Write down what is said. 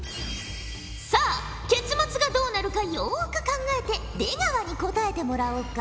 さあ結末がどうなるかよく考えて出川に答えてもらおうか。